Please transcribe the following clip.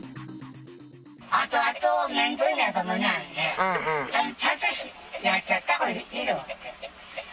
あとあと面倒になるのも嫌なので、ちゃんとやっちゃったほうがいいと思って。